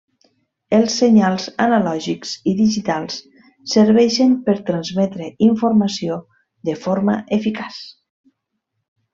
Els senyals analògics i digitals serveixen per transmetre informació de forma eficaç.